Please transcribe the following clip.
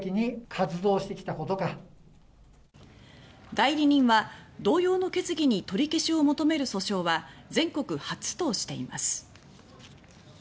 代理人は、同様の決議に取り消しを求める訴訟は全国初としています。